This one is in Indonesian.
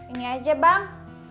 ini aja bang